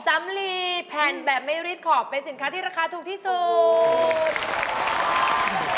สำลีแผ่นแบบไม่รีดขอบเป็นสินค้าที่ราคาถูกที่สุด